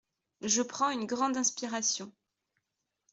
Je prends une grande inspiration.